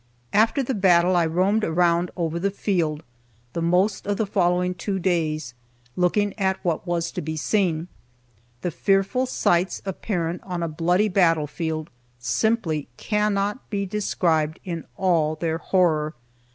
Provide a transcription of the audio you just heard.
After the battle I roamed around over the field, the most of the following two days, looking at what was to be seen. The fearful sights apparent on a bloody battlefield simply cannot be described in all their horror.